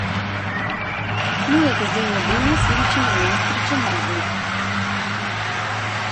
Мојата земја денес личи на неизбричен рудник.